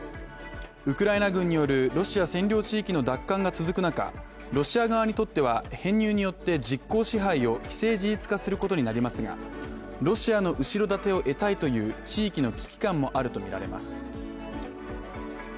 ウクライナ軍によるロシア占領地域の奪還が続く中、ロシア側にとっては、編入によって実効支配を既成事実化することになりますがロシアの後ろ盾を得たいという地域の危機感もあるとみられます。